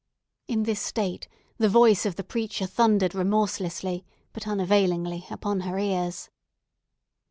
In this state, the voice of the preacher thundered remorselessly, but unavailingly, upon her ears.